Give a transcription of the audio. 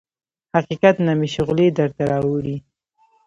حقیقت نه مې شغلې درته راوړي